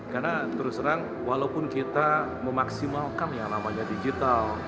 karena terus terang walaupun kita memaksimalkan yang namanya digital